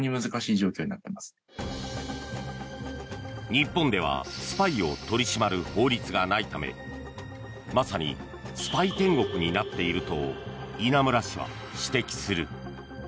日本では、スパイを取り締まる法律がないためまさにスパイ天国になっていると稲村氏は指摘する。